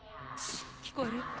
聞こえる？